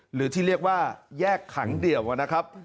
หรือที่เรียกว่าแยกขังเดี่ยวนะครับ